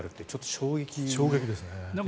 衝撃ですね。